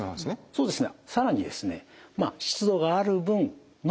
そうですね。